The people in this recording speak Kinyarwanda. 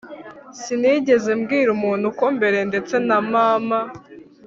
sinigeze mbwira umuntu ko mbere, ndetse na mama